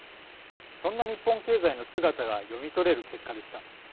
そんな日本経済の姿が読み取れる結果でした。